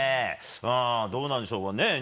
どうなるんでしょうかね。